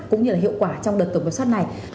cũng như là hiệu quả trong đợt tổng kiểm soát này